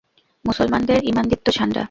মুসলমানদের ঈমানদীপ্ত ঝাণ্ডা।